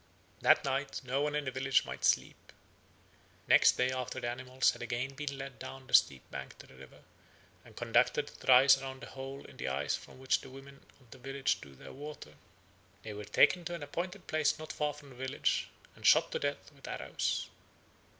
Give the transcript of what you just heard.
That night no one in the village might sleep. Next day, after the animals had been again led down the steep bank to the river, and conducted thrice round the hole in the ice from which the women of the village drew their water, they were taken to an appointed place not far from the village, and shot to death with arrows.